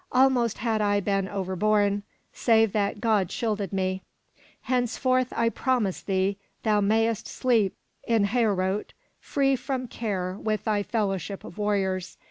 Almost had I been over borne, save that God shielded me. Henceforth, I promise thee, thou mayest sleep in Heorot free from care with thy fellowship of warriors.